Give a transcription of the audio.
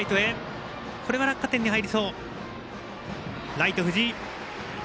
ライト、藤井。